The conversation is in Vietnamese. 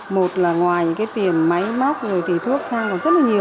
một là ngoài cái tiền máy móc người thủy thuốc thang còn rất là nhiều